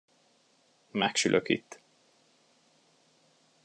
Megsülök itt.